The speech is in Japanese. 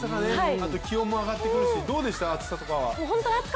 あと気温も上がってくるし、どうでしたか？